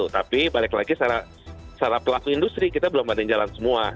tapi balik lagi secara pelaku industri kita belum ada yang jalan semua